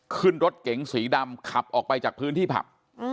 ขึ้นรถเก๋งสีดำขับออกไปจากพื้นที่ผับ